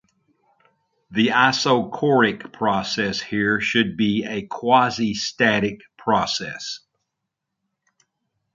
The isochoric process here should be a quasi-static process.